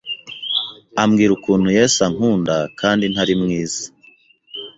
ambwira ukuntu Yesu ankunda kandi ntari mwiza